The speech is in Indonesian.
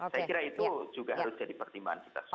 saya kira itu juga harus jadi pertimbangan kita semua